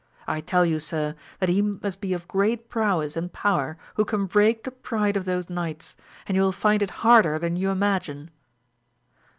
I tell you, sir, that he must be of great prowess and power who can break the pride of those knights; and you will find it harder than you imagine.